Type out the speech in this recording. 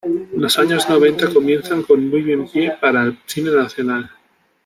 Los años noventa comienzan con muy buen pie para el cine nacional.